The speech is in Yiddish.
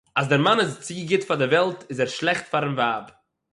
אַז דער מאַן איז צו גוט פֿאַר דער וועלט איז ער שלעכט פֿאַרן ווײַב.